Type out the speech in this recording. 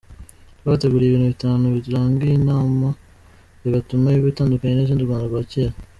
Twabateguriye ibintu bitanu biranga iyi nama bigatuma iba itandukanye n’izindi u Rwanda rwakira:.